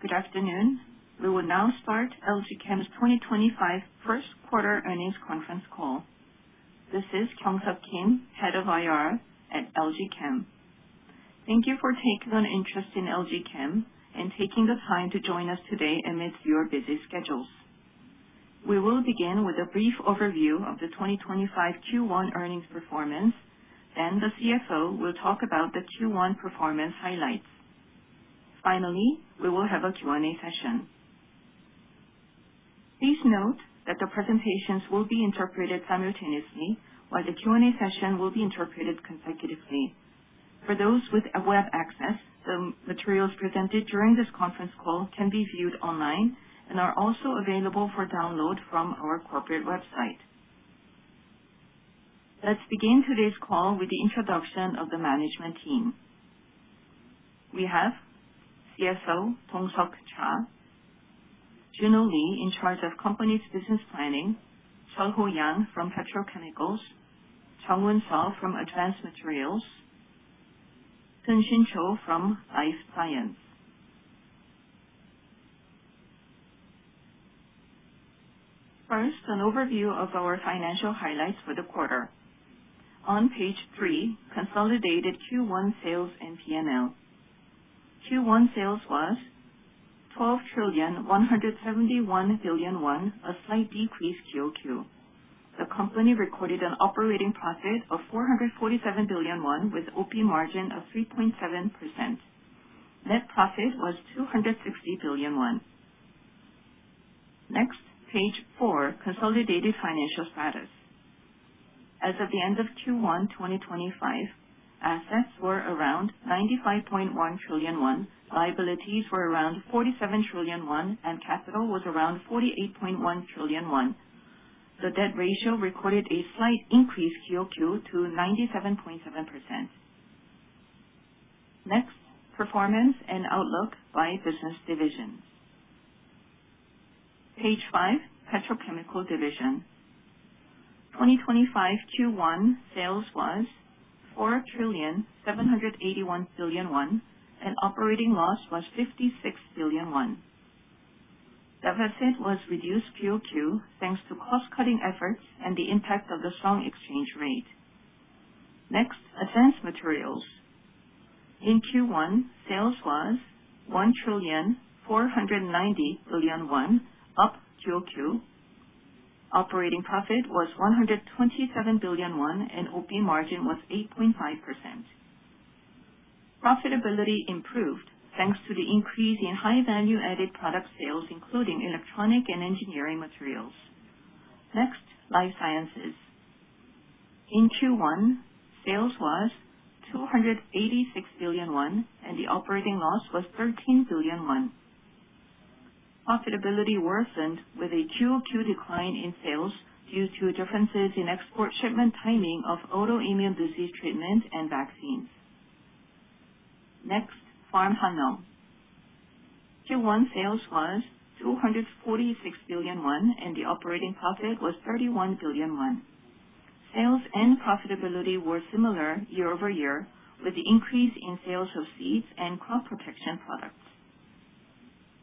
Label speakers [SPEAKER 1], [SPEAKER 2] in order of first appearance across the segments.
[SPEAKER 1] Good afternoon. We will now start LG Chem's 2025 First Quarter Earnings Conference Call. This is Kyungseok Kim, Head of IR at LG Chem. Thank you for taking an interest in LG Chem and taking the time to join us today amidst your busy schedules. We will begin with a brief overview of the 2025 Q1 earnings performance, then the CFO will talk about the Q1 performance highlights. Finally, we will have a Q&A session. Please note that the presentations will be interpreted simultaneously, while the Q&A session will be interpreted consecutively. For those with web access, the materials presented during this conference call can be viewed online and are also available for download from our corporate website. Let's begin today's call with the introduction of the management team. We have CFO Dong Seok Cha, General Lee in charge of company's business planning, Ho Young Seo from Petrochemicals, Chang Woon Seo from Advanced Materials, Sun Shin Cho from Life Sciences. First, an overview of our financial highlights for the quarter. On page three, consolidated Q1 sales and P&L. Q1 sales was 12,171,000,000 won, a slight decrease QOQ. The company recorded an operating profit of 447,000,000 won with an OP margin of 3.7%. Net profit was 260,000,000 won. Next, page four, consolidated financial status. As of the end of Q1 2025, assets were around 95,100,000,000 won, liabilities were around 47,000,000,000 won, and capital was around 48,100,000,000 won. The debt ratio recorded a slight increase QOQ to 97.7%. Next, performance and outlook by business division. Page five, Petrochemicals division, 2025 Q1 sales was 4,781,000,000 and operating loss was 56,000,000. Deficit was reduced QoQ thanks to cost-cutting efforts and the impact of the strong exchange rate. Next, Advanced Materials, in Q1, sales was 1,490,000,000 won, up QoQ. Operating profit was 127,000,000 won and OP margin was 8.5%. Profitability improved thanks to the increase in high-value-added product sales, including electronic and engineering materials. Next, Life Sciences. In Q1, sales was 286,000,000 won and the operating loss was 13,000,000 won. Profitability worsened with a QoQ decline in sales due to differences in export shipment timing of autoimmune disease treatment and vaccines. Next, Farm Hannong. Q1 sales was 246,000,000 won and the operating profit was 31,000,000 won. Sales and profitability were similar year-over-year with the increase in sales of seeds and crop protection products.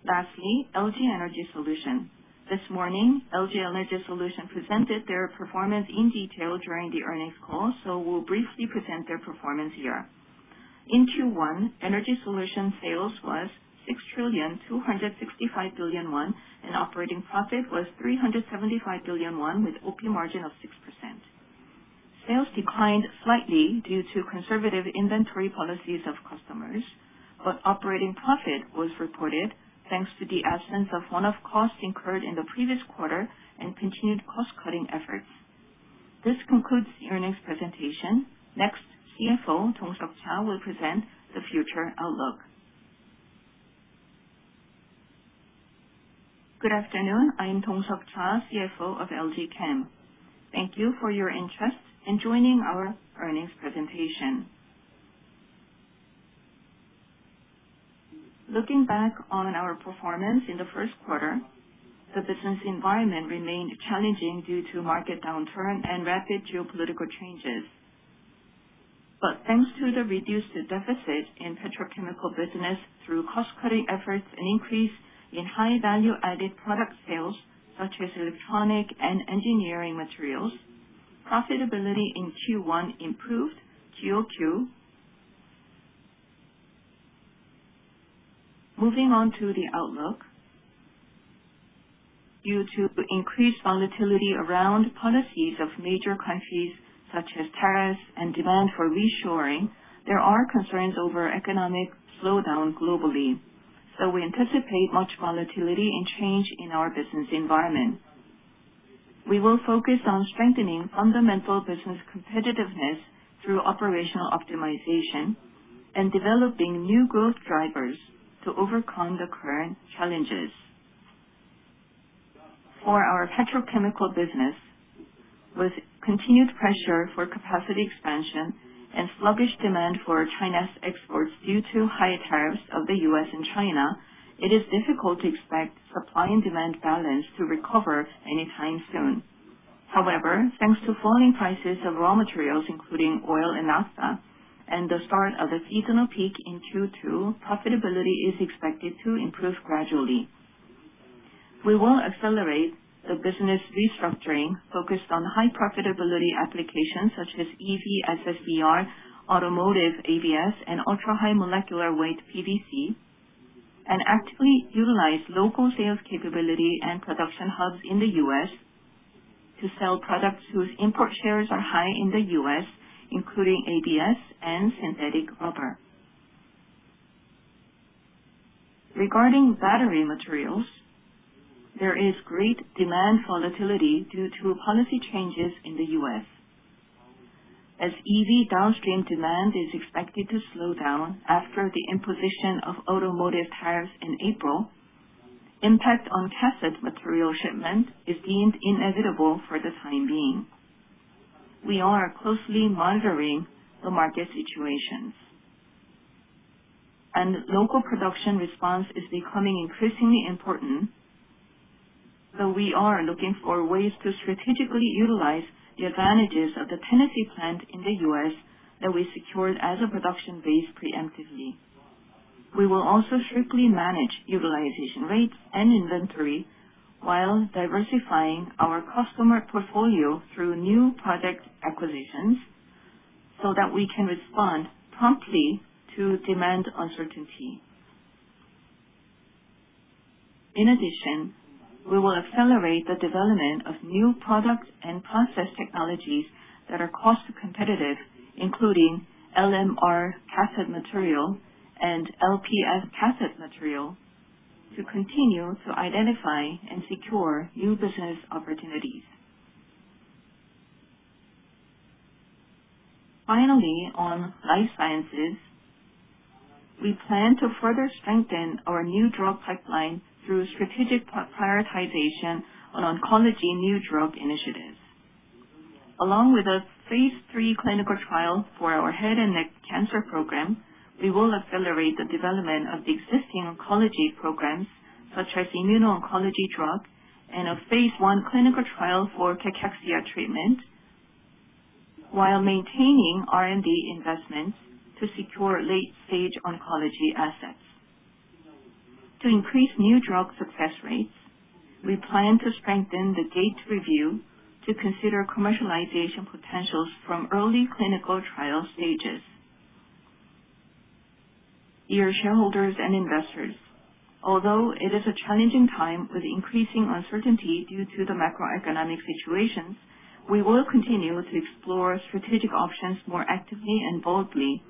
[SPEAKER 1] Lastly, LG Energy Solution. This morning, LG Energy Solution presented their performance in detail during the earnings call, so we'll briefly present their performance here. In Q1, Energy Solution sales was 6,265,000,000 won and operating profit was 375,000,000 won with an OP margin of 6%. Sales declined slightly due to conservative inventory policies of customers, but operating profit was reported thanks to the absence of one-off costs incurred in the previous quarter and continued cost-cutting efforts. This concludes the earnings presentation. Next, CFO Dong Seok Cha will present the future outlook.
[SPEAKER 2] Good afternoon. I am Dong Seok Cha, CFO of LG Chem. Thank you for your interest in joining our earnings presentation. Looking back on our performance in the first quarter, the business environment remained challenging due to market downturn and rapid geopolitical changes, but thanks to the reduced deficit in petrochemical business through cost-cutting efforts and an increase in high-value-added product sales such as electronic and engineering materials, profitability in Q1 improved QoQ. Moving on to the outlook. Due to increased volatility around policies of major countries such as tariffs and demand for reshoring, there are concerns over economic slowdown globally, so we anticipate much volatility and change in our business environment. We will focus on strengthening fundamental business competitiveness through operational optimization and developing new growth drivers to overcome the current challenges. For our petrochemical business, with continued pressure for capacity expansion and sluggish demand for China's exports due to high tariffs of the U.S. and China, it is difficult to expect supply and demand balance to recover anytime soon. However, thanks to falling prices of raw materials including oil and naphtha and the start of the seasonal peak in Q2, profitability is expected to improve gradually. We will accelerate the business restructuring focused on high-profitability applications such as EV SSBR, automotive ABS, and ultra-high molecular weight PVC, and actively utilize local sales capability and production hubs in the U.S. to sell products whose import shares are high in the U.S., including ABS and synthetic rubber. Regarding battery materials, there is great demand volatility due to policy changes in the U.S. As EV downstream demand is expected to slow down after the imposition of automotive tariffs in April, impact on cathode material shipment is deemed inevitable for the time being. We are closely monitoring the market situation, and local production response is becoming increasingly important, so we are looking for ways to strategically utilize the advantages of the Tennessee plant in the U.S. that we secured as a production base preemptively. We will also strictly manage utilization rates and inventory while diversifying our customer portfolio through new product acquisitions so that we can respond promptly to demand uncertainty. In addition, we will accelerate the development of new products and process technologies that are cost-competitive, including LMR cathode material and LFP cathode material, to continue to identify and secure new business opportunities. Finally, on life sciences, we plan to further strengthen our new drug pipeline through strategic prioritization on oncology new drug initiatives. Along with a phase III clinical trial for our head and neck cancer program, we will accelerate the development of existing oncology programs such as immuno-oncology drug and a phase I clinical trial for cachexia treatment while maintaining R&D investments to secure late-stage oncology assets. To increase new drug success rates, we plan to strengthen the GATE review to consider commercialization potentials from early clinical trial stages. Dear shareholders and investors, although it is a challenging time with increasing uncertainty due to the macroeconomic situations, we will continue to explore strategic options more actively and boldly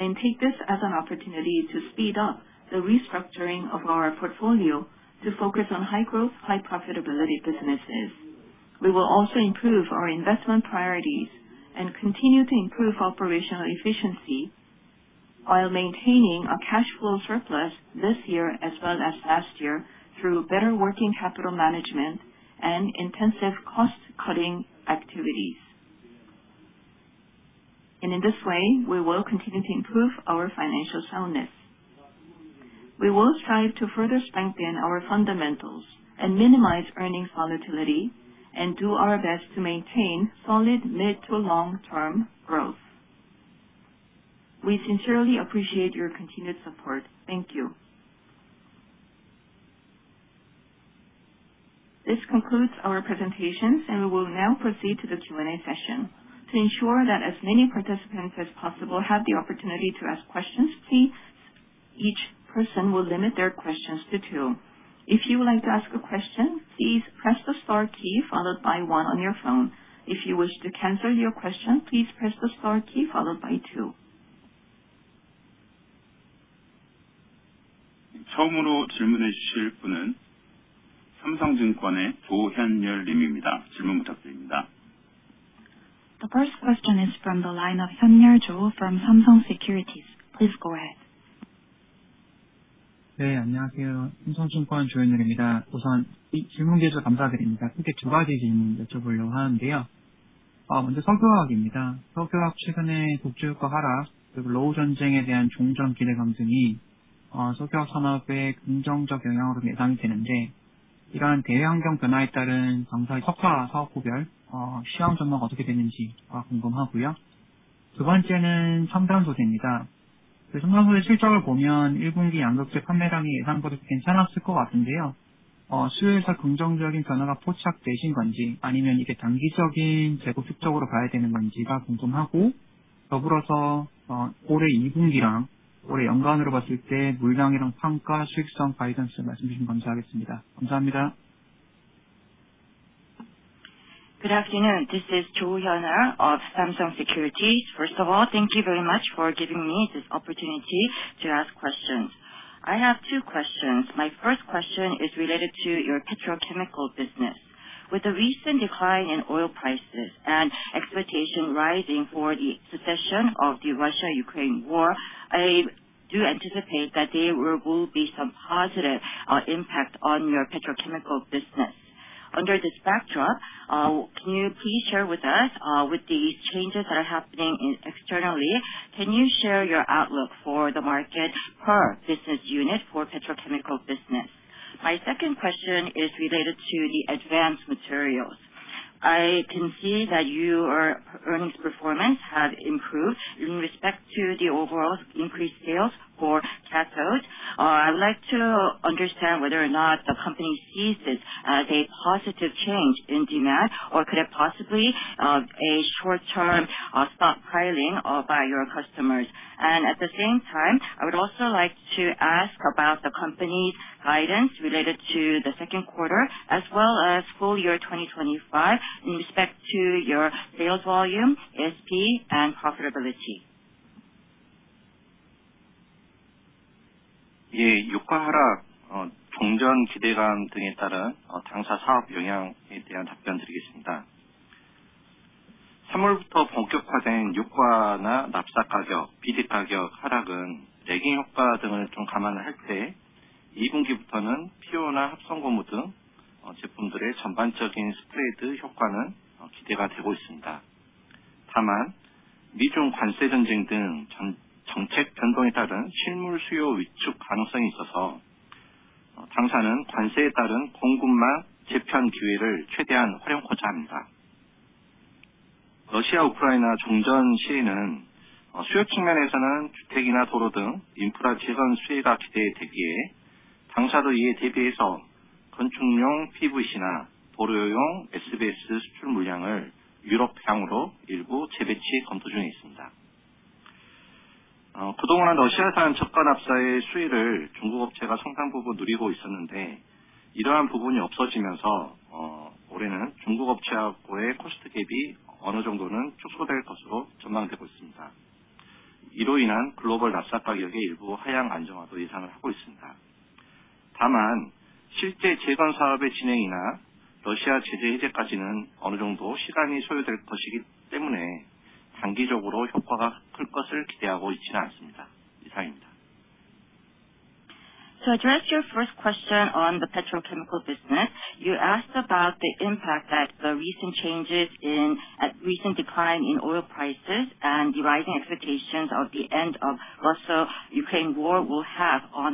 [SPEAKER 2] and take this as an opportunity to speed up the restructuring of our portfolio to focus on high-growth, high-profitability businesses. We will also improve our investment priorities and continue to improve operational efficiency while maintaining a cash flow surplus this year as well as last year through better working capital management and intensive cost-cutting activities, and in this way, we will continue to improve our financial soundness. We will strive to further strengthen our fundamentals and minimize earnings volatility and do our best to maintain solid mid-to-long-term growth. We sincerely appreciate your continued support. Thank you.
[SPEAKER 1] This concludes our presentations, and we will now proceed to the Q&A session.
[SPEAKER 3] To ensure that as many participants as possible have the opportunity to ask questions, please. Each person will limit their questions to two. If you would like to ask a question, please press the star key followed by one on your phone. If you wish to cancel your question, please press the star key followed by two. The first question is from the line of Hyun-Ryul Cho from Samsung Securities. Please go ahead.
[SPEAKER 4] Good afternoon. This is Hyun-Ryul Cho of Samsung Securities. First of all, thank you very much for giving me this opportunity to ask questions. I have two questions. My first question is related to your petrochemical business. With the recent decline in oil prices and expectation rising for the cessation of the Russia-Ukraine war, I do anticipate that there will be some positive impact on your petrochemical business. Under this backdrop, can you please share with us, with these changes that are happening externally, can you share your outlook for the market per business unit for petrochemical business? My second question is related to the advanced materials. I can see that your earnings performance has improved in respect to the overall increased sales for cathodes. I would like to understand whether or not the company sees this as a positive change in demand or could it possibly be a short-term stockpiling by your customers, and at the same time, I would also like to ask about the company's guidance related to the second quarter as well as full-year 2025 in respect to your sales volume, SP, and profitability.
[SPEAKER 5] To address your first question on the petrochemical business, you asked about the impact that the recent changes in recent decline in oil prices and the rising expectations of the end of the Russia-Ukraine war will have on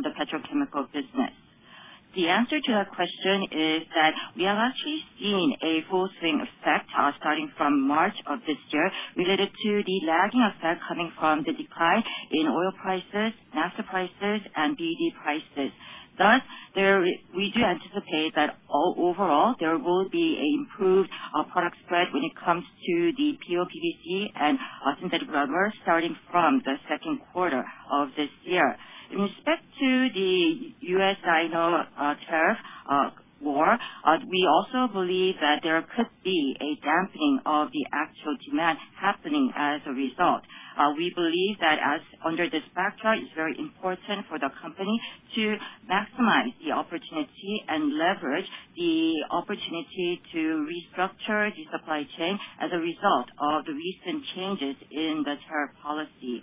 [SPEAKER 5] the petrochemical business. The answer to that question is that we have actually seen a full swing effect starting from March of this year related to the lagging effect coming from the decline in oil prices, naphtha prices, and BD prices. Thus, we do anticipate that overall there will be an improved product spread when it comes to the PO, PVC, and synthetic rubber starting from the second quarter of this year. In respect to the U.S., you know, tariff war, we also believe that there could be a dampening of the actual demand happening as a result. We believe that under this backdrop, it is very important for the company to maximize the opportunity and leverage the opportunity to restructure the supply chain as a result of the recent changes in the tariff policy.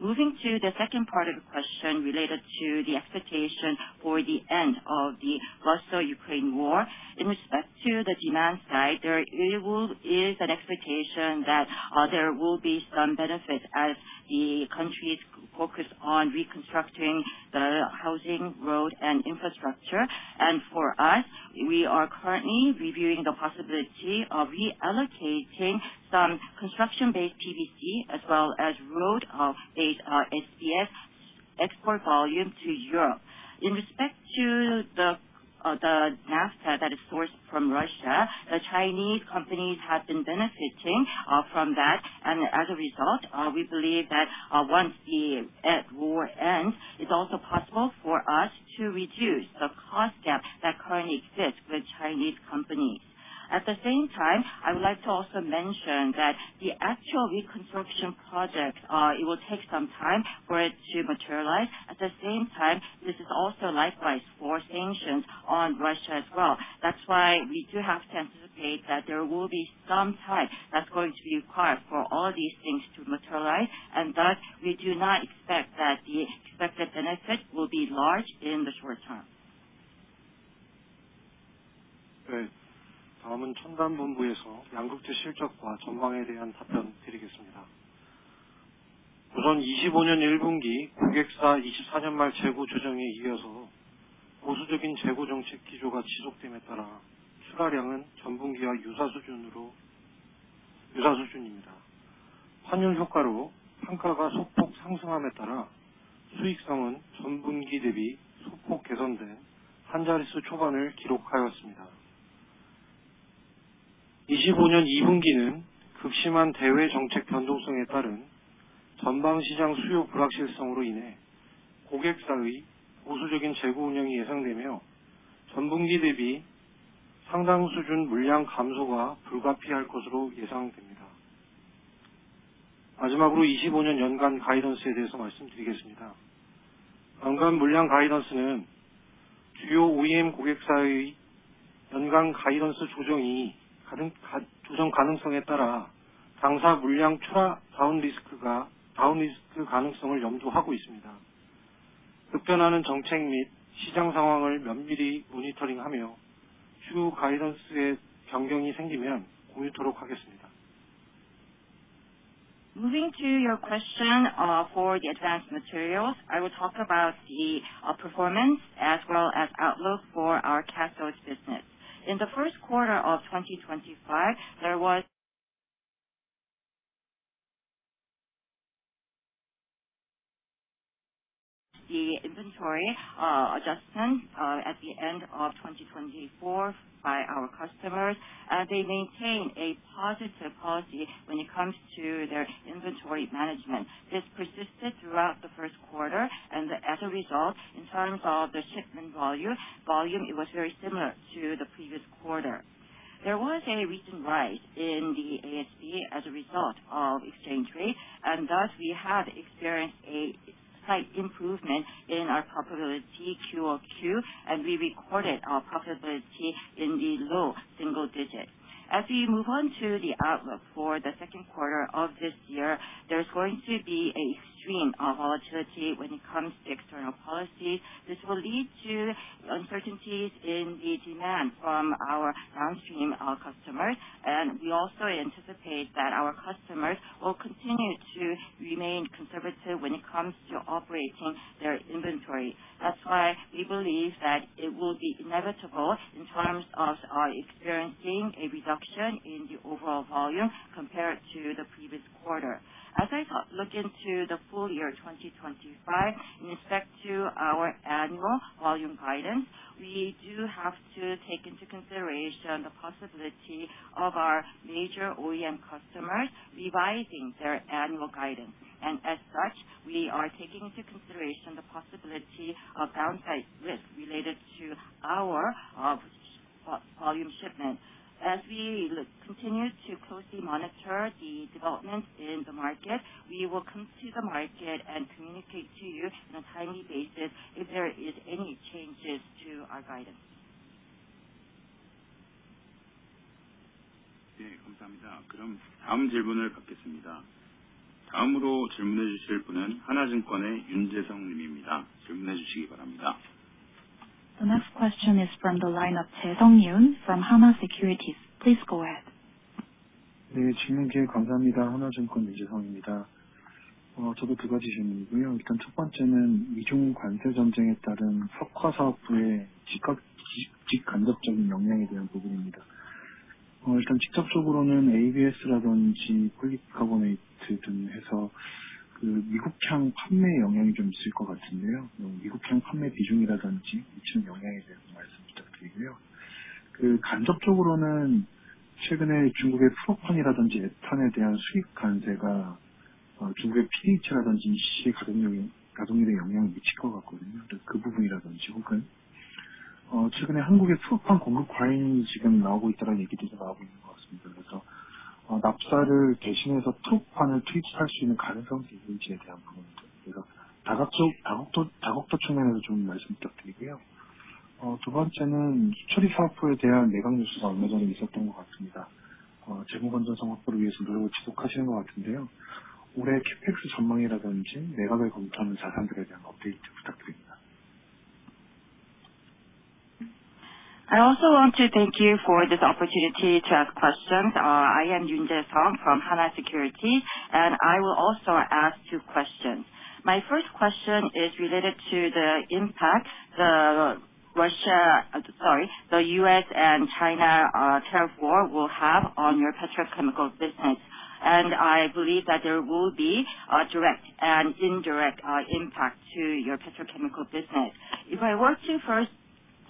[SPEAKER 5] Moving to the second part of the question related to the expectation for the end of the Russia-Ukraine war, in respect to the demand side, there is an expectation that there will be some benefit as the country is focused on reconstructing the housing, road, and infrastructure, and for us, we are currently reviewing the possibility of reallocating some construction-based PVC as well as road-based SBS export volume to Europe. In respect to the naphtha that is sourced from Russia, the Chinese companies have been benefiting from that. As a result, we believe that once the war ends, it's also possible for us to reduce the cost gap that currently exists with Chinese companies. At the same time, I would like to also mention that the actual reconstruction project, it will take some time for it to materialize. At the same time, this is also likewise for sanctions on Russia as well. That's why we do have to anticipate that there will be some time that's going to be required for all these things to materialize. Thus, we do not expect that the expected benefit will be large in the short term.
[SPEAKER 6] Moving to your question for the advanced materials, I will talk about the performance as well as outlook for our cathodes business. In the first quarter of 2025, there was the inventory adjustment at the end of 2024 by our customers, and they maintained a positive policy when it comes to their inventory management. This persisted throughout the first quarter, and as a result, in terms of the shipment volume, it was very similar to the previous quarter. There was a recent rise in the ABS as a result of exchange rate, and thus we have experienced a slight improvement in our profitability QoQ, and we recorded our profitability in the low-single digit. As we move on to the outlook for the second quarter of this year, there's going to be an extreme volatility when it comes to external policies. This will lead to uncertainties in the demand from our downstream customers, and we also anticipate that our customers will continue to remain conservative when it comes to operating their inventory. That's why we believe that it will be inevitable in terms of experiencing a reduction in the overall volume compared to the previous quarter. As I look into the full-year 2025, in respect to our annual volume guidance, we do have to take into consideration the possibility of our major OEM customers revising their annual guidance. And as such, we are taking into consideration the possibility of downside risk related to our volume shipment. As we continue to closely monitor the developments in the market, we will come to the market and communicate to you on a timely basis if there are any changes to our guidance.
[SPEAKER 3] The next question is from the line of Jae-Sung Yoon from Hana Securities. Please go ahead.
[SPEAKER 7] I also want to thank you for this opportunity to ask questions. I am Jae-Sung Yoon from Hana Securities, and I will also ask two questions. My first question is related to the impact the U.S. and China tariff war will have on your petrochemical business, and I believe that there will be a direct and indirect impact to your petrochemical business. If I were to first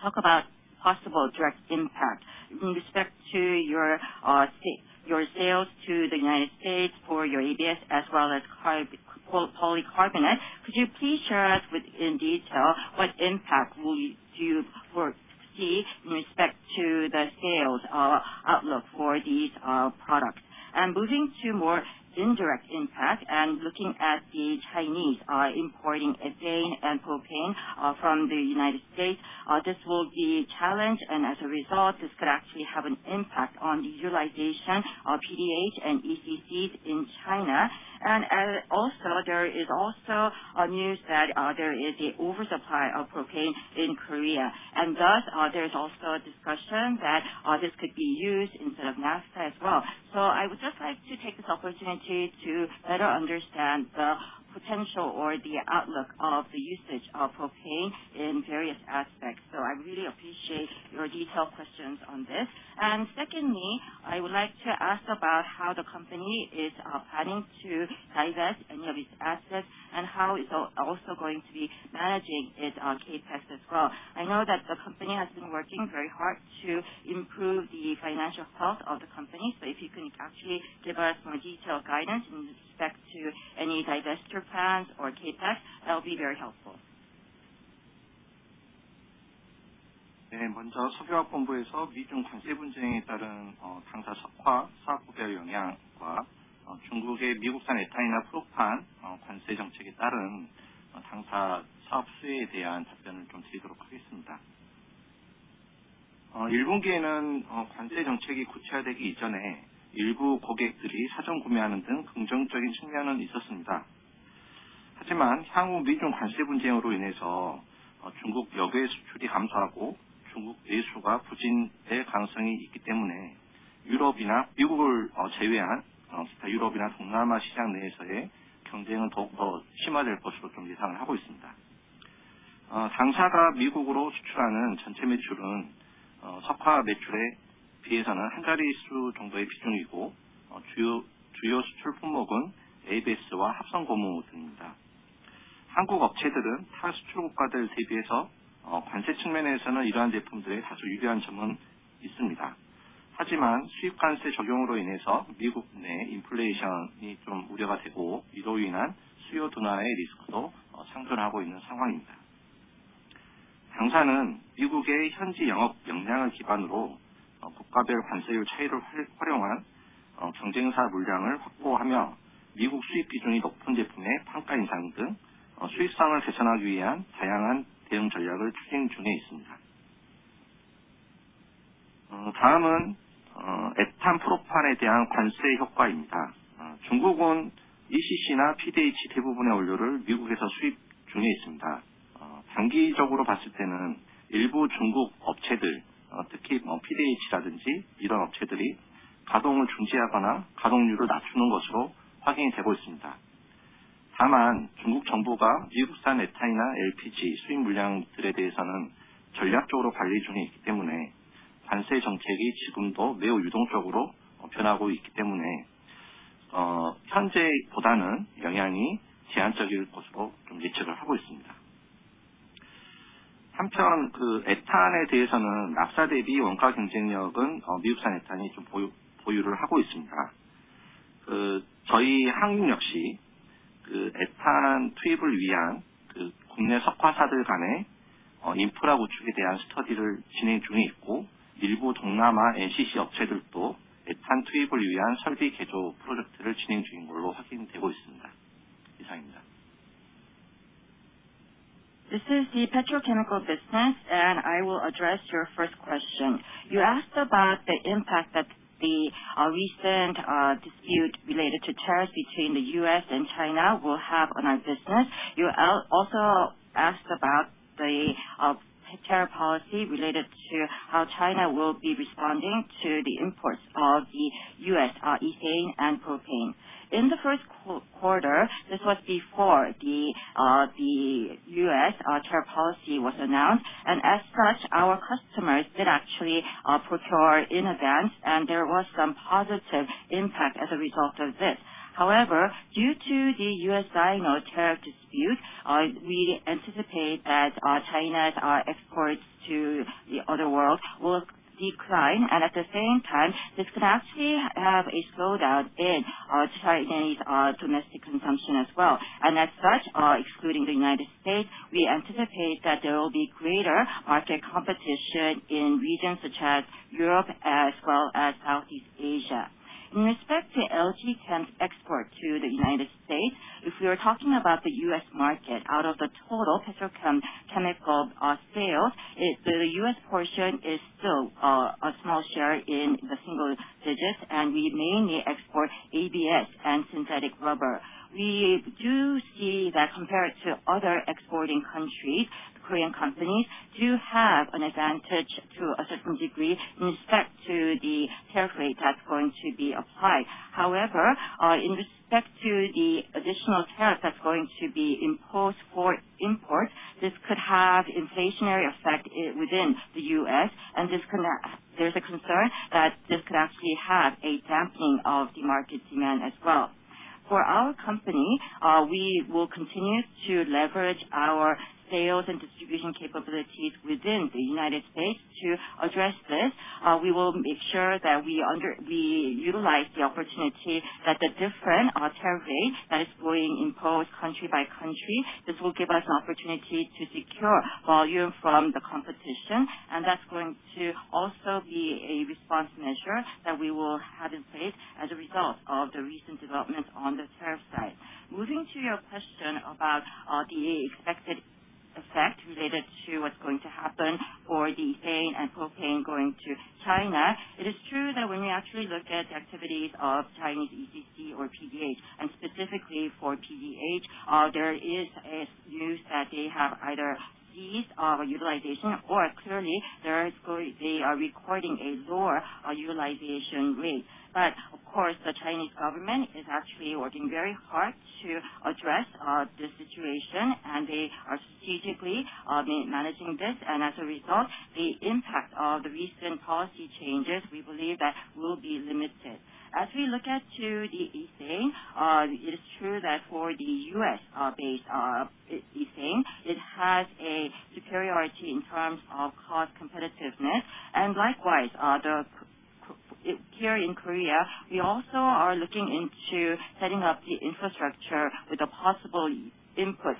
[SPEAKER 7] talk about possible direct impact in respect to your sales to the United States for your ABS as well as polycarbonate, could you please share us in detail what impact do you foresee in respect to the sales outlook for these products? And moving to more indirect impact and looking at the Chinese importing ethane and propane from the United States, this will be a challenge, and as a result, this could actually have an impact on the utilization of PDH and ECCs in China. And also, there is also news that there is an oversupply of propane in Korea. And thus, there's also a discussion that this could be used instead of naphtha as well. So I would just like to take this opportunity to better understand the potential or the outlook of the usage of propane in various aspects. So I really appreciate your detailed questions on this. And secondly, I would like to ask about how the company is planning to divest any of its assets and how it's also going to be managing its CAPEX as well. I know that the company has been working very hard to improve the financial health of the company, so if you can actually give us more detailed guidance in respect to any divestiture plans or CAPEX, that will be very helpful.
[SPEAKER 5] This is the petrochemical business, and I will address your first question. You asked about the impact that the recent dispute related to tariffs between the U.S. and China will have on our business. You also asked about the tariff policy related to how China will be responding to the imports of the U.S. ethane and propane. In the first quarter, this was before the U.S. tariff policy was announced, and as such, our customers did actually procure in advance, and there was some positive impact as a result of this. However, due to the U.S.-China tariff dispute, we anticipate that China's exports to the rest of the world will decline, and at the same time, this could actually have a slowdown in Chinese domestic consumption as well. As such, excluding the United States, we anticipate that there will be greater market competition in regions such as Europe as well as Southeast Asia. In respect to LG Chem's export to the United States, if we are talking about the U.S. market, out of the total petrochemical sales, the U.S. portion is still a small share in the single digits, and we mainly export ABS and synthetic rubber. We do see that compared to other exporting countries, Korean companies do have an advantage to a certain degree in respect to the tariff rate that's going to be applied. However, in respect to the additional tariff that's going to be imposed for imports, this could have inflationary effect within the U.S., and there's a concern that this could actually have a dampening of the market demand as well. For our company, we will continue to leverage our sales and distribution capabilities within the United States to address this. We will make sure that we utilize the opportunity that the different tariff rate that is being imposed country by country. This will give us an opportunity to secure volume from the competition, and that's going to also be a response measure that we will have in place as a result of the recent developments on the tariff side. Moving to your question about the expected effect related to what's going to happen for the ethane and propane going to China, it is true that when we actually look at the activities of Chinese ECC or PDH, and specifically for PDH, there is news that they have either ceased utilization or clearly they are recording a lower utilization rate. But of course, the Chinese government is actually working very hard to address this situation, and they are strategically managing this, and as a result, the impact of the recent policy changes we believe that will be limited. As we look at the ethane, it is true that for the U.S. based ethane, it has a superiority in terms of cost competitiveness, and likewise, here in Korea, we also are looking into setting up the infrastructure with a possible input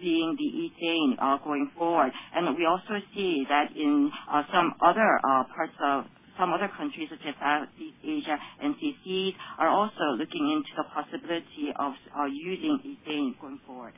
[SPEAKER 5] being the ethane going forward. And we also see that in some other parts of some other countries such as Southeast Asia and ECCs are also looking into the possibility of using ethane going forward.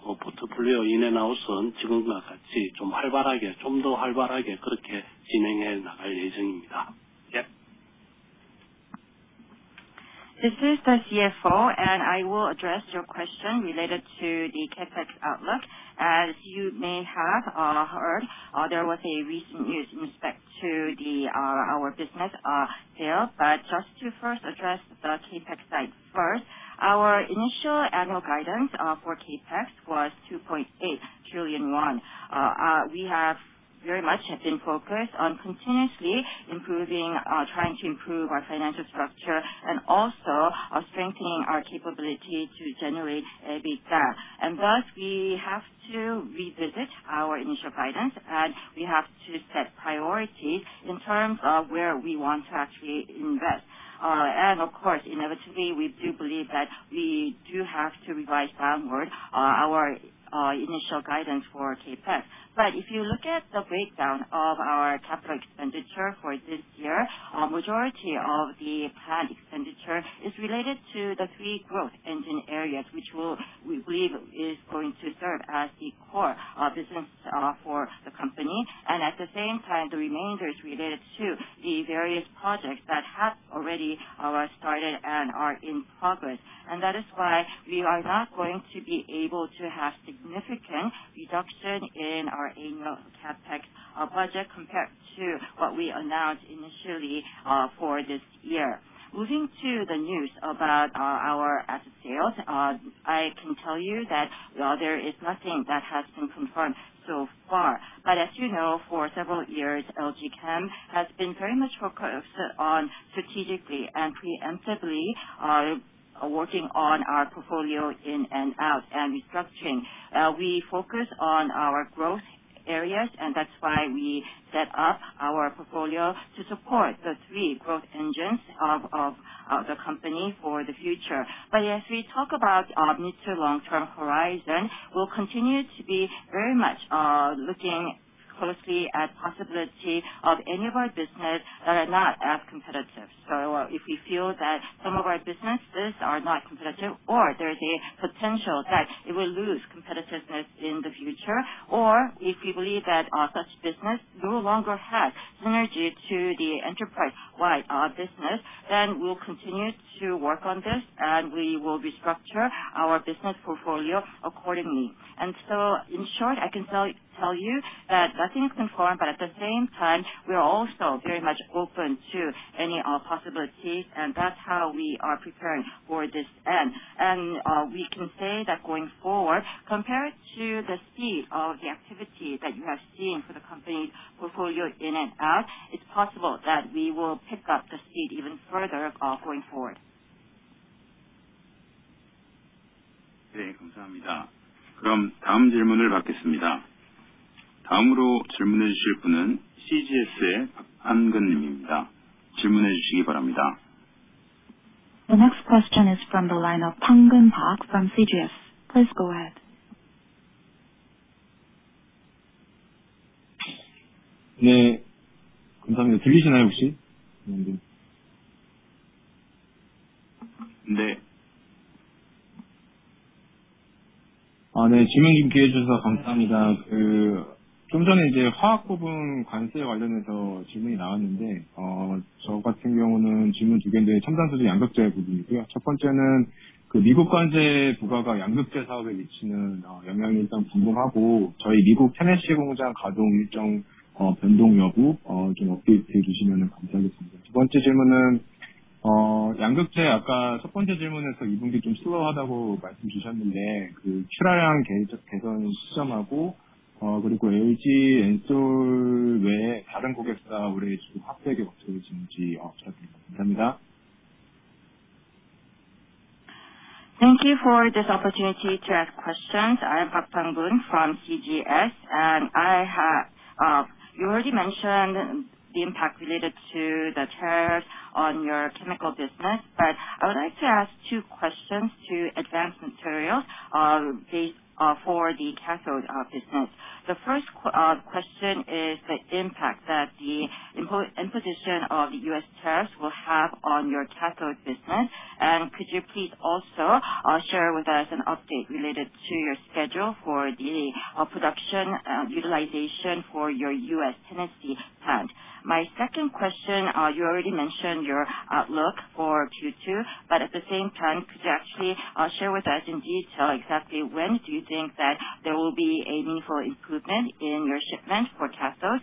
[SPEAKER 2] This is the CFO, and I will address your question related to the CapEx outlook. As you may have heard, there was a recent news in respect to our business sales. But just to first address the CapEx side first, our initial annual guidance for CapEx was 2.8 trillion won. We have very much been focused on continuously trying to improve our financial structure and also strengthening our capability to generate EBITDA. And thus, we have to revisit our initial guidance, and we have to set priorities in terms of where we want to actually invest. And of course, inevitably, we do believe that we do have to revise downward our initial guidance for CapEx. But if you look at the breakdown of our capital expenditure for this year, a majority of the planned expenditure is related to the three growth engine areas, which we believe is going to serve as the core business for the company. And at the same time, the remainder is related to the various projects that have already started and are in progress. And that is why we are not going to be able to have significant reduction in our annual CapEx budget compared to what we announced initially for this year. Moving to the news about our asset sales, I can tell you that there is nothing that has been confirmed so far. But as you know, for several years, LG Chem has been very much focused on strategically and preemptively working on our portfolio in and out and restructuring. We focus on our growth areas, and that's why we set up our portfolio to support the three growth engines of the company for the future. But as we talk about the mid-to-long term horizon, we'll continue to be very much looking closely at the possibility of any of our businesses that are not as competitive. So if we feel that some of our businesses are not competitive or there's a potential that it will lose competitiveness in the future, or if we believe that such business no longer has synergy to the enterprise-wide business, then we'll continue to work on this and we will restructure our business portfolio accordingly. And so in short, I can tell you that nothing is confirmed, but at the same time, we are also very much open to any possibilities, and that's how we are preparing for this end. We can say that going forward, compared to the speed of the activity that you have seen for the company's portfolio in and out, it's possible that we will pick up the speed even further going forward.
[SPEAKER 3] The next question is from the line of Han-Geun Park from CGS. Please go ahead.
[SPEAKER 8] Thank you for this opportunity to ask questions. I'm Han-Geun Park from CGS, and you have already mentioned the impact related to the tariffs on your chemical business, but I would like to ask two questions to Advanced Materials for the cathode business. The first question is the impact that the imposition of the U.S. tariffs will have on your cathode business, and could you please also share with us an update related to your schedule for the production utilization for your U.S. Tennessee plant? My second question, you already mentioned your outlook for Q2, but at the same time, could you actually share with us in detail exactly when do you think that there will be a meaningful improvement in your shipment for cathodes?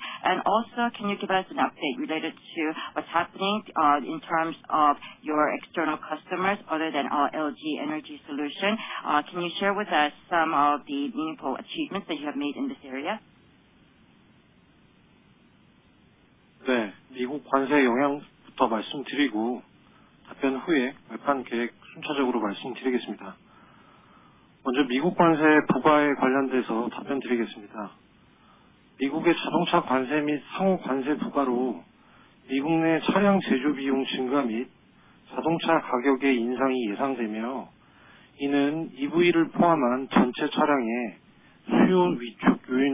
[SPEAKER 8] And also, can you give us an update related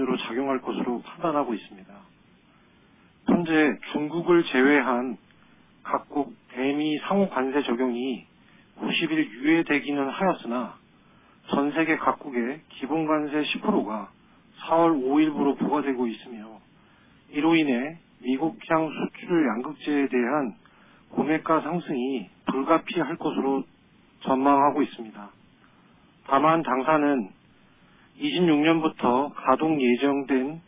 [SPEAKER 8] to what's happening in terms of your external customers other than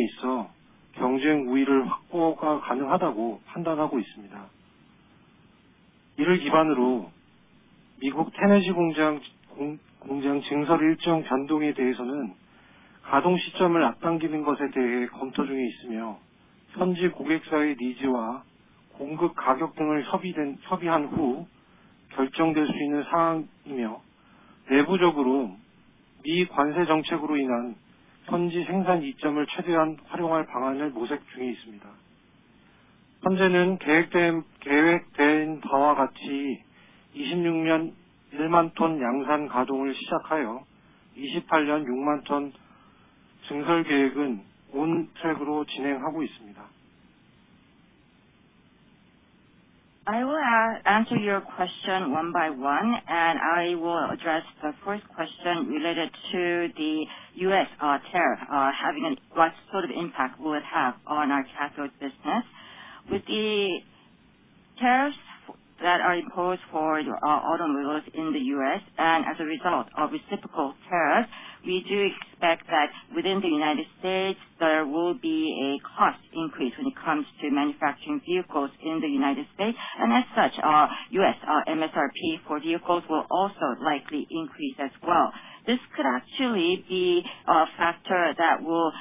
[SPEAKER 8] LG Energy Solution? Can you share with us some of the meaningful achievements that you have made in this area?
[SPEAKER 2] I will answer your question one by one, and I will address the first question related to the U.S. tariff having what sort of impact will it have on our cathode business. With the tariffs that are imposed for automobiles in the U.S., and as a result of reciprocal tariffs, we do expect that within the United States there will be a cost increase when it comes to manufacturing vehicles in the United States, and as such, U.S. MSRP for vehicles will also likely increase as well. This could actually be a factor that will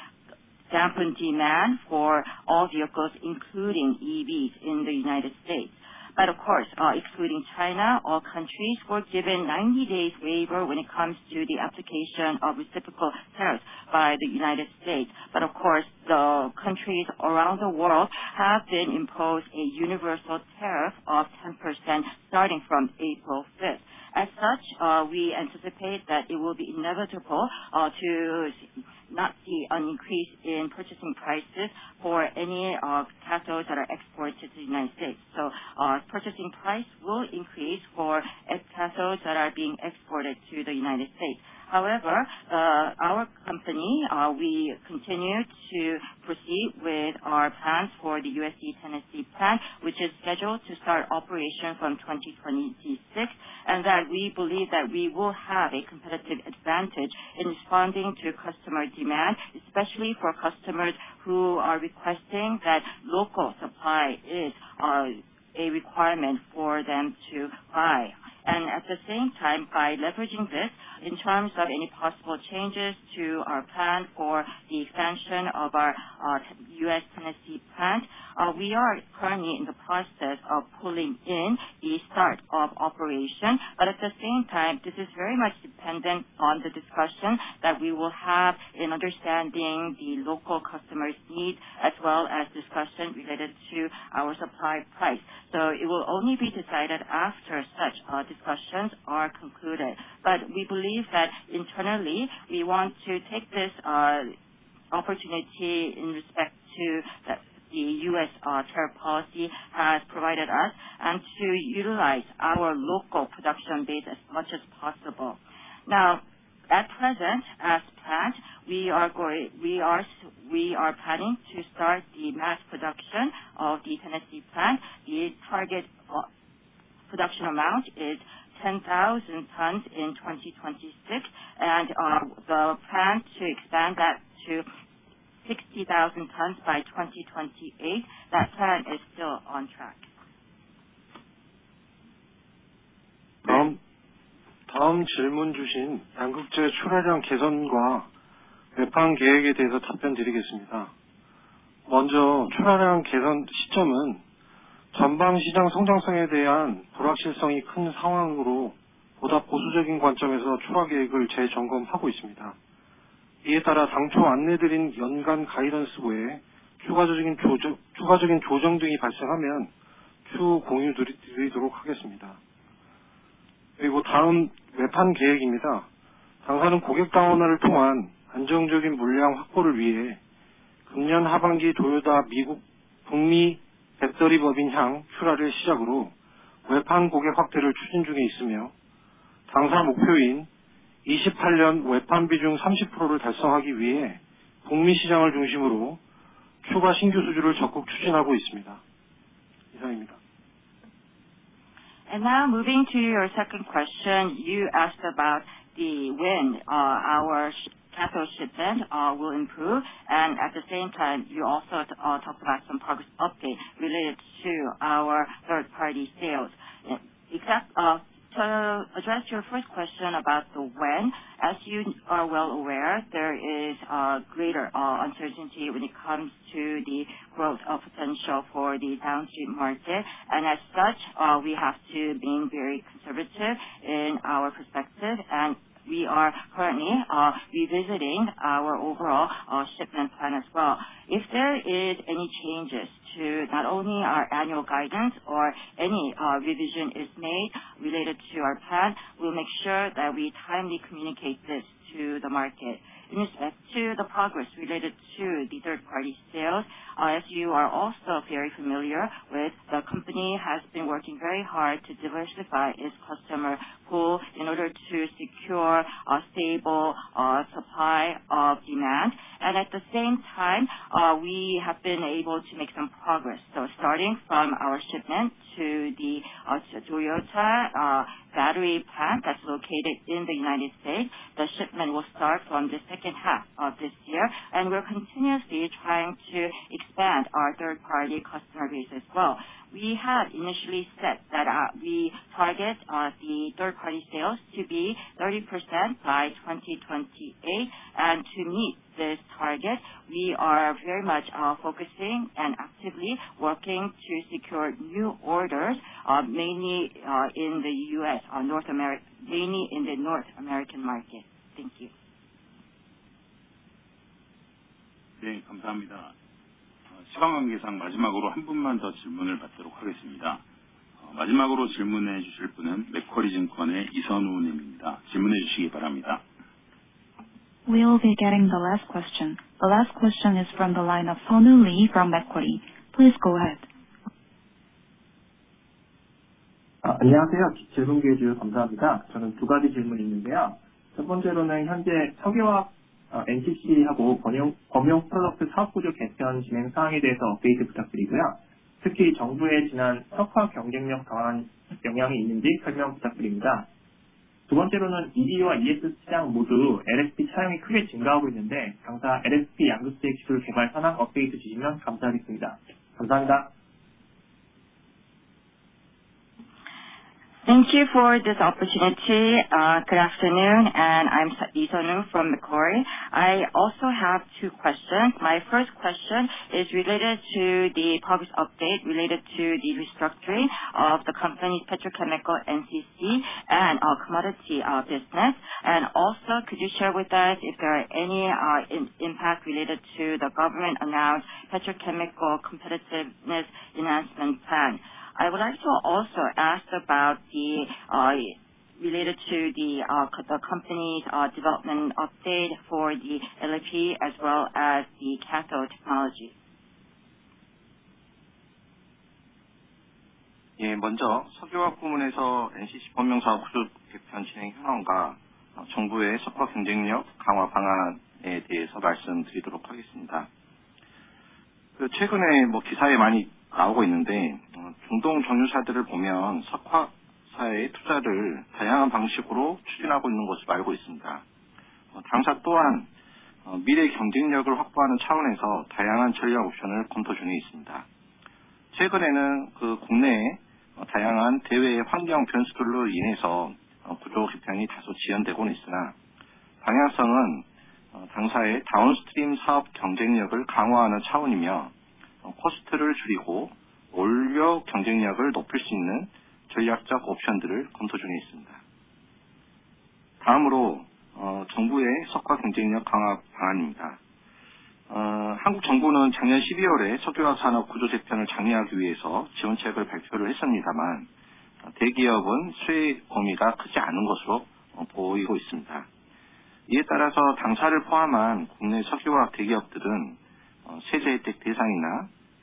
[SPEAKER 2] dampen demand for all vehicles, including EVs in the United States, but of course, excluding China, all countries were given 90-day waiver when it comes to the application of reciprocal tariffs by the United States. Of course, the countries around the world have been imposed a universal tariff of 10% starting from April 5th. As such, we anticipate that it will be inevitable to not see an increase in purchasing prices for any cathodes that are exported to the United States. So our purchasing price will increase for cathodes that are being exported to the United States. However, our company, we continue to proceed with our plans for the U.S. Tennessee plant, which is scheduled to start operation from 2026, and that we believe that we will have a competitive advantage in responding to customer demand, especially for customers who are requesting that local supply is a requirement for them to buy. And at the same time, by leveraging this in terms of any possible changes to our plan for the expansion of our U.S. Tennessee plant, we are currently in the process of pulling in the start of operation. But at the same time, this is very much dependent on the discussion that we will have in understanding the local customer's needs as well as discussion related to our supply price. So it will only be decided after such discussions are concluded. But we believe that internally, we want to take this opportunity in respect to the U.S. tariff policy has provided us and to utilize our local production base as much as possible. Now, at present, as planned, we are planning to start the mass production of the Tennessee plant. The target production amount is 10,000 tons in 2026, and the plan to expand that to 60,000 tons by 2028. That plan is still on track. Now moving to your second question, you asked about when our cathode shipment will improve, and at the same time, you also talked about some progress update related to our third-party sales. To address your first question about the when, as you are well aware, there is greater uncertainty when it comes to the growth potential for the downstream market, and as such, we have to be very conservative in our perspective, and we are currently revisiting our overall shipment plan as well. If there are any changes to not only our annual guidance or any revision is made related to our plan, we'll make sure that we timely communicate this to the market. In respect to the progress related to the third-party sales, as you are also very familiar with, the company has been working very hard to diversify its customer pool in order to secure a stable supply of demand, and at the same time, we have been able to make some progress. So starting from our shipment to the Toyota battery plant that's located in the United States, the shipment will start from the second half of this year, and we're continuously trying to expand our third-party customer base as well. We had initially set that we target the third-party sales to be 30% by 2028, and to meet this target, we are very much focusing and actively working to secure new orders, mainly in the U.S., mainly in the North American market. Thank you.
[SPEAKER 3] We'll be getting the last question. The last question is from the line of Seung-Woo Lee from Macquarie. Please go ahead.
[SPEAKER 9] Thank you for this opportunity. Good afternoon, and I'm Seung-Woo Lee from Macquarie. I also have two questions. My first question is related to the progress update related to the restructuring of the company's petrochemical NCC and commodity business, and also could you share with us if there are any impacts related to the government-announced petrochemical competitiveness enhancement plan? I would like to also ask about the related to the company's development update for the LFP as well as the cathode technology.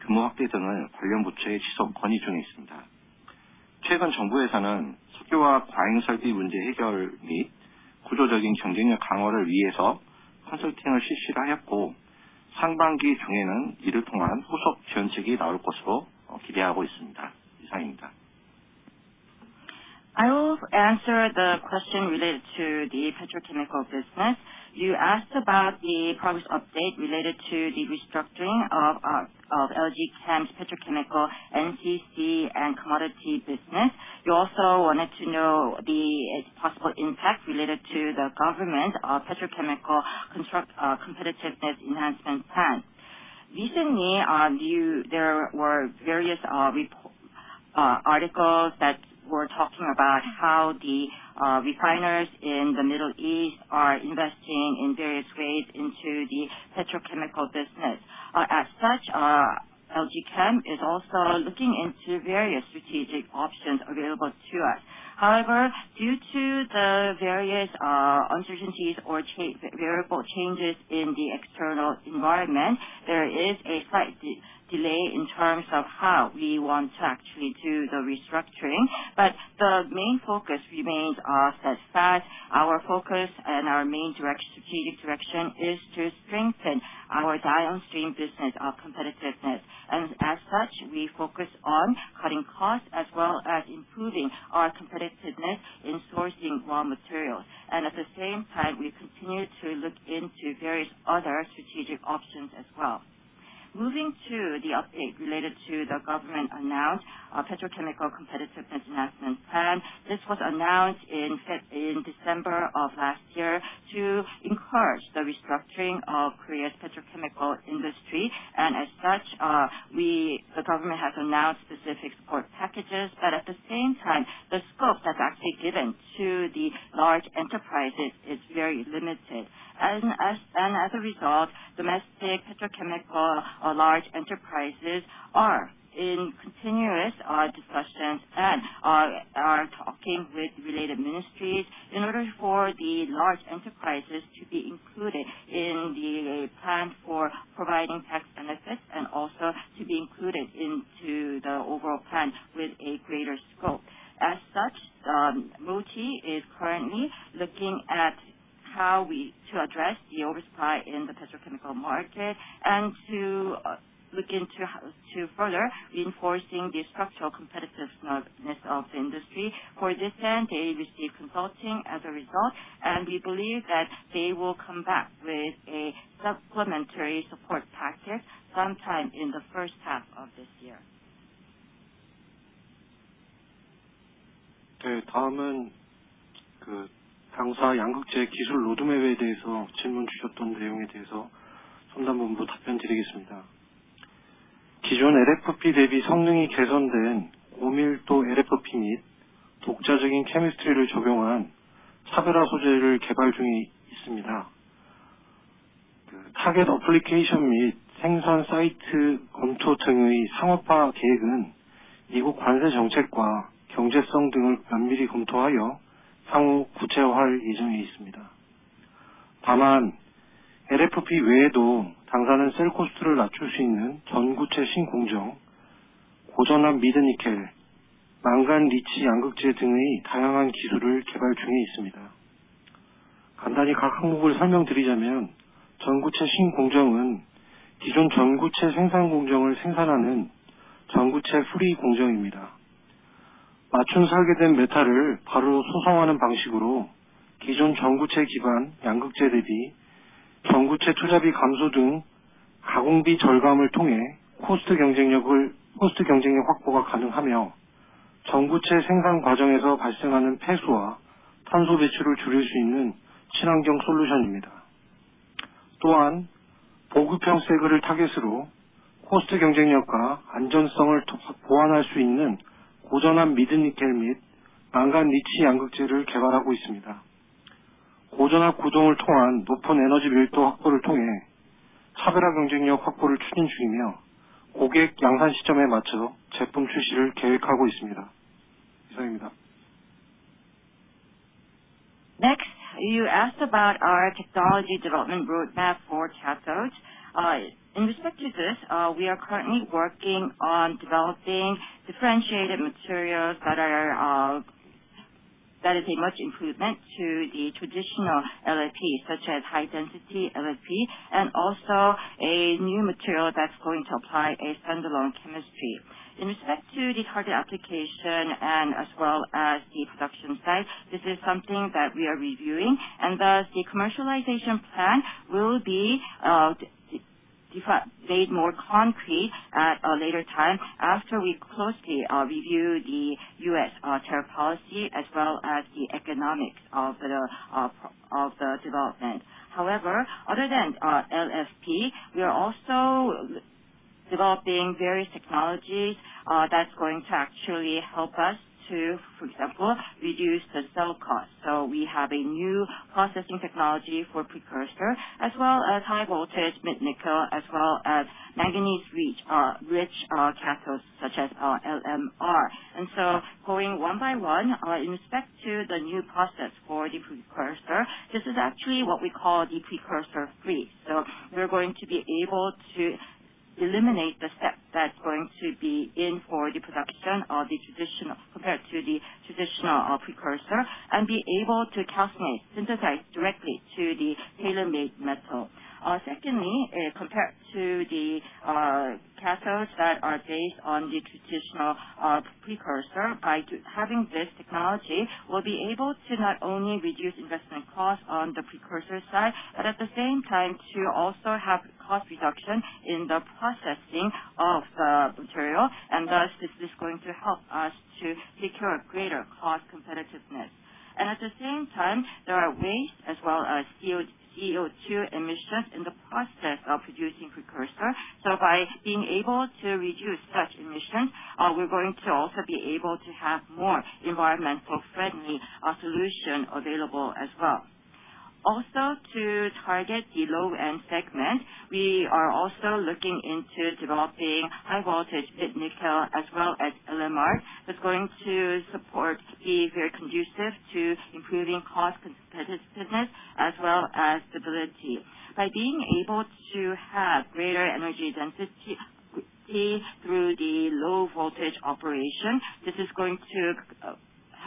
[SPEAKER 5] I will answer the question related to the petrochemical business. You asked about the progress update related to the restructuring of LG Chem's petrochemical NCC and commodity business. You also wanted to know the possible impact related to the government's petrochemical competitiveness enhancement plan. Recently, there were various articles that were talking about how the refiners in the Middle East are investing in various ways into the petrochemical business. As such, LG Chem is also looking into various strategic options available to us. However, due to the various uncertainties or variable changes in the external environment, there is a slight delay in terms of how we want to actually do the restructuring, but the main focus remains as such. Our focus and our main strategic direction is to strengthen our downstream business competitiveness, and as such, we focus on cutting costs as well as improving our competitiveness in sourcing raw materials, and at the same time, we continue to look into various other strategic options as well. Moving to the update related to the government-announced petrochemical competitiveness enhancement plan, this was announced in December of last year to encourage the restructuring of Korea's petrochemical industry, and as such, the government has announced specific support packages, but at the same time, the scope that's actually given to the large enterprises is very limited, and as a result, domestic petrochemical large enterprises are in continuous discussions and are talking with related ministries in order for the large enterprises to be included in the plan for providing tax benefits and also to be included into the overall plan with a greater scope. As such, MOTIE is currently looking at how to address the oversupply in the petrochemical market and to look into further reinforcing the structural competitiveness of the industry. For this end, they received consulting as a result, and we believe that they will come back with a supplementary support package sometime in the first half of this year. Next, you asked about our technology development roadmap for cathodes. In respect to this, we are currently working on developing differentiated materials that are a much improvement to the traditional LFP, such as high-density LFP, and also a new material that's going to apply a standalone chemistry. In respect to the target application and as well as the production site, this is something that we are reviewing, and thus the commercialization plan will be made more concrete at a later time after we closely review the U.S. tariff policy as well as the economics of the development. However, other than LFP, we are also developing various technologies that's going to actually help us to, for example, reduce the cell cost. So we have a new processing technology for precursor, as well as high-voltage mid-nickel, as well as manganese-rich cathodes, such as LMR. And so, going one by one, in respect to the new process for the precursor, this is actually what we call the precursor free. So, we're going to be able to eliminate the step that's going to be in for the production of the traditional compared to the traditional precursor, and be able to calcine, synthesize directly to the tailor-made metal. Secondly, compared to the cathodes that are based on the traditional precursor, by having this technology, we'll be able to not only reduce investment costs on the precursor side, but at the same time to also have cost reduction in the processing of the material, and thus this is going to help us to secure greater cost competitiveness. And at the same time, there are waste as well as CO2 emissions in the process of producing precursor. So by being able to reduce such emissions, we're going to also be able to have more environmentally friendly solutions available as well. Also, to target the low-end segment, we are also looking into developing high-voltage mid-nickel as well as LMR that's going to support being very conducive to improving cost competitiveness as well as stability. By being able to have greater energy density through the low-voltage operation, this is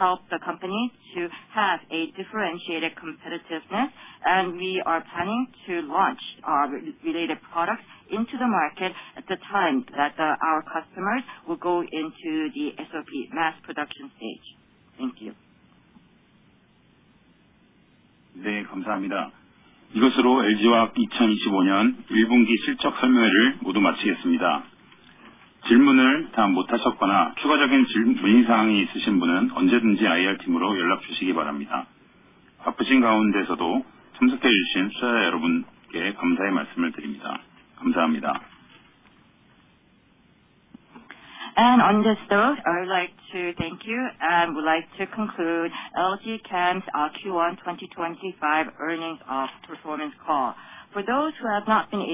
[SPEAKER 5] going to help the company to have a differentiated competitiveness, and we are planning to launch our related products into the market at the time that our customers will go into the SOP mass production stage. Thank you.
[SPEAKER 1] On this note, I would like to thank you and would like to conclude LG Chem's Q1 2025 Earnings Performance Call. For those who have not been able.